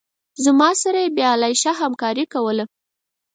زما سره یې بې آلایشه همکاري کوله.